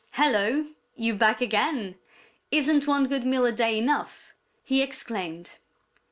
"Hello! You back again! Isn't one good meal a day enough?" he exclaimed.